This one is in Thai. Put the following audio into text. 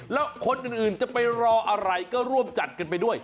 แล้วคนอื่นจะไปรออะไรก็ร่วมจัดกันไปด้วย